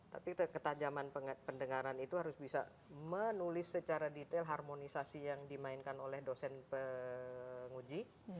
tapi ketajaman pendengaran itu harus bisa menulis secara detail harmonisasi yang dimainkan oleh dosen penguji